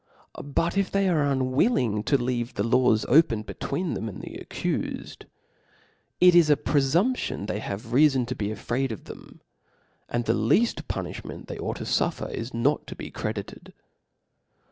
But if they are unwiffing to leave the laws open between them and the ac* cufcd^ it is a prefumption they 'have reafofi to be afraid of them; and the leaft pttnilbment they ' ought to firffer, is not to be credited.